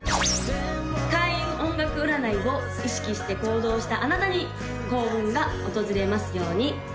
開運音楽占いを意識して行動したあなたに幸運が訪れますように！